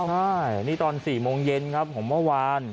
ใช่นี่ตอน๔โมงเย็นครับของเมื่อวาน